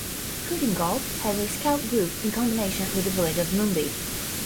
Kootingal has a Scout group in combination with the village of Moonbi.